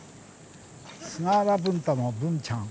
菅原文太の文ちゃん。